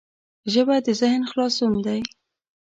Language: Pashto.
ژبه د ذهن خلاصون دی